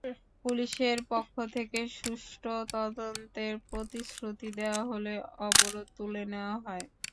পুলিশের পক্ষ থেকে সুষ্ঠু তদন্তের প্রতিশ্রুতি দেওয়া হলে অবরোধ তুলে নেওয়া হয়।